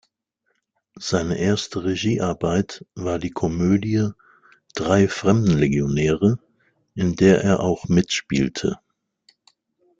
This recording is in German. Seine erste Regiearbeit war die Komödie "Drei Fremdenlegionäre", in der er auch mitspielte.